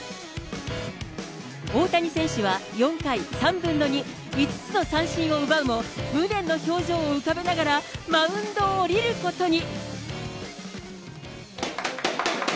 大谷選手は４回３分の２、５つの三振を奪うも、無念の表情を浮かべながらマウンドを降りることに。